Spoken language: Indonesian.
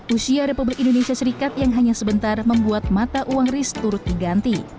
usia republik indonesia serikat yang hanya sebentar membuat mata uang risk turut diganti